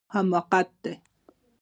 حماقت دی